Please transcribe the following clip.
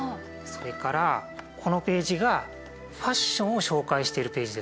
それからこのページがファッションを紹介しているページです。